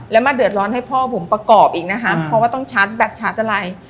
แล้วมาเดือดร้อนให้พ่อผมประกอบอีกนะคะเพราะว่าต้องชาร์จแบตชาร์จอะไร